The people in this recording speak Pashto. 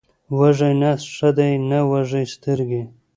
وږی نس ښه دی، نه وږې سترګې.